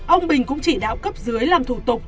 ông bình cũng chỉ đạo cấp dưới làm thủ tục